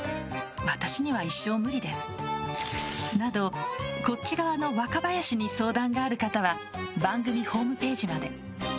私には一生無理ですなどこっち側の若林に相談がある方は番組ホームページまで。